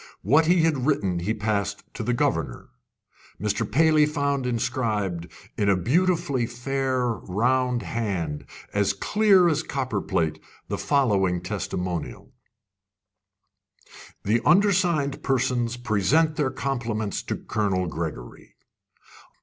What he had written he passed to the governor. Mr. Paley found inscribed, in a beautifully fair round hand, as clear as copperplate, the following "testimonial": "The undersigned persons present their compliments to Colonel Gregory.